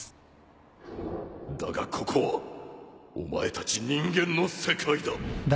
だがここはお前たち人間の世界だ